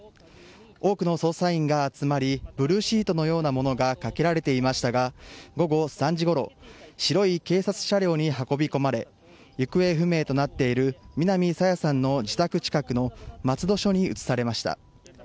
多くの捜査員が集まりブルーシートのようなものがかけられていましたが午後３時ごろ白い警察車両に運び込まれ行方不明となっている南朝芽さんの自宅近くの松戸署に移されました。